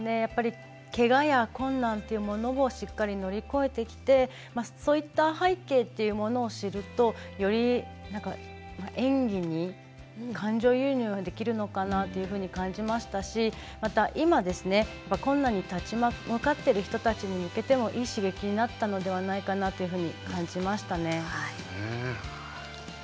けがや困難というものをしっかり乗り越えてきてそういった背景というものを知るとより演技に感情移入ができるのかなと感じましたしまた今困難に立ち向かっている人たちにもいい刺激になったのではないかなというふうに感じましたね。